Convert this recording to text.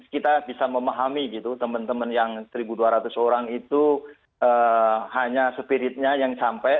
kita bisa memahami gitu teman teman yang satu dua ratus orang itu hanya spiritnya yang sampai